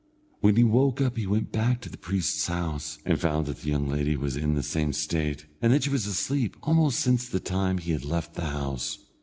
When he woke up he went back to the priest's house, and found that the young lady was in the same state, and that she was asleep almost since the time that he left the house.